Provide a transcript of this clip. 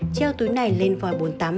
treo túi này lên vòi bồn tắm